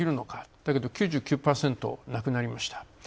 だけど９９％なくなりました。